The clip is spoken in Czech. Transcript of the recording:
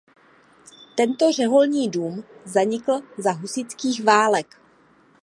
Tento řeholní dům zanikl za husitských válek.